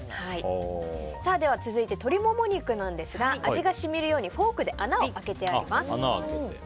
続いて、鶏モモ肉なんですが味が染みるようにフォークで穴を開けてあげます。